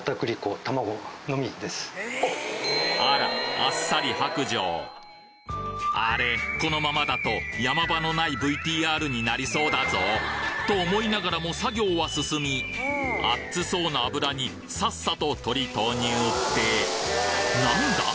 あらあれこのままだと山場のないＶＴＲになりそうだぞと思いながらも作業は進みあっつそうな油にさっさと鶏投入ってなんだ？